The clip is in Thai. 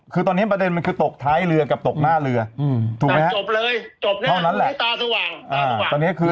คือประเดมคือตกท้ายเรือทรวดจากตกหน้าเรือ